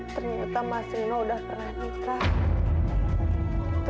ternyata mas rino udah kena nikah